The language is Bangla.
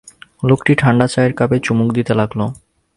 লোকটি ঠাণ্ড চায়ের কাপে চুমুক দিতে লাগল।